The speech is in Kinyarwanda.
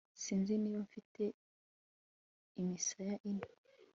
Sinzi niba mfite imisaya ine